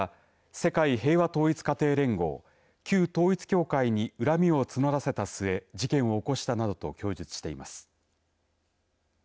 世界平和統一家庭連合旧統一教会に恨みを募らせた末事件を起こしたなどと供述しています。